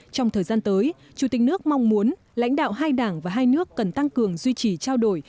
trong thời gian tới chủ tịch nước mong muốn lãnh đạo hai đảng và hai nước cần tăng cường duy trì trao đổi